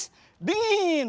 cendol manis dingin